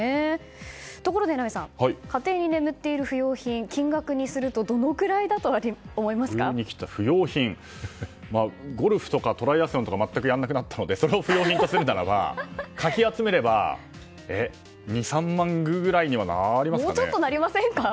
ところで榎並さん家庭に眠っている不用品は金額にするとゴルフとかトライアスロンとか全くやらなくなったのでそれを不用品とするならばかき集めれば２３万ぐらいにはなりますかね。